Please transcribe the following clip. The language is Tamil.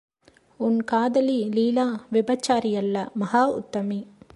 உன் காதலி லீலா விபச்சாரியல்ல மகா உத்தமி.